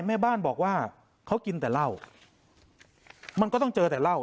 แม่บ้านบอกว่าเขากินแต่เหล้ามันก็ต้องเจอแต่เหล้า